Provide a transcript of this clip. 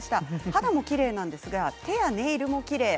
肌もきれいなんですが手やネイルもきれい。